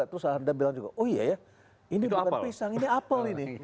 terus anda bilang juga oh iya ya ini bukan pisang ini apel ini